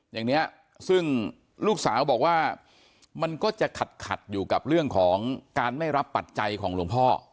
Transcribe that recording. อย่างนี้ซึ่งลูกสาวบอกว่ามันก็จะขัดอยู่กับเรื่องของการไม่รับปัจจัยของหลวงพ่อ